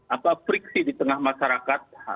apa friksi di tengah masyarakat